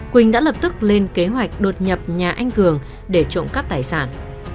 quỳnh đã lập tức lên kế hoạch đột nhập nhà anh cường để trộm cắp tài sản